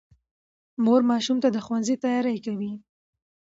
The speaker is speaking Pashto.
مور ماشوم ته د ښوونځي تیاری کوي